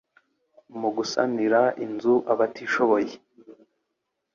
Mu gusanira inzu abatishoboye